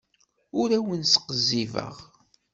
Ur awen-sqizzibeɣ.